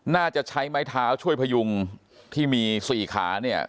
น่าจะใช้ไม้เท้าช่วยพยุงที่มี๔ขา